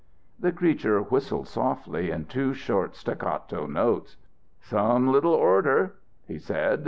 "The creature whistled softly in two short staccato notes. "'Some little order,' he said.